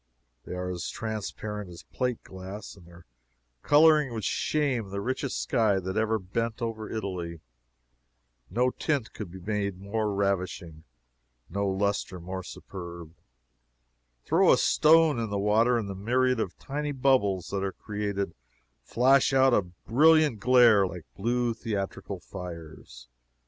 They are as transparent as plate glass, and their coloring would shame the richest sky that ever bent over Italy. No tint could be more ravishing, no lustre more superb. Throw a stone into the water, and the myriad of tiny bubbles that are created flash out a brilliant glare like blue theatrical fires.